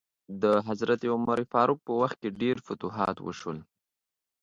د حضرت عمر فاروق په وخت کې ډیر فتوحات وشول.